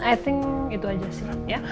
i think itu aja sih